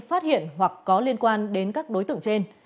phát hiện hoặc có liên quan đến các đối tượng trên